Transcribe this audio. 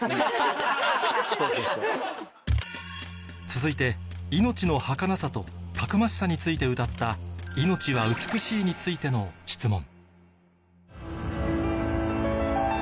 続いて命の儚さとたくましさについて歌った『命は美しい』についての質問